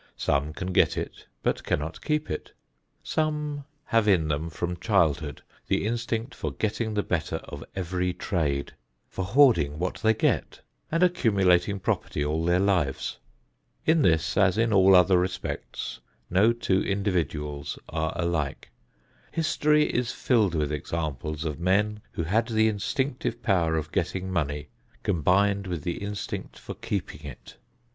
Some can get it but cannot keep it. Some have in them from childhood the instinct for getting the better of every trade; for hoarding what they get, and accumulating property all their lives. In this, as in all other respects, no two individuals are alike. History is filled with examples of men who had the instinctive power of getting money combined with the instinct for keeping it.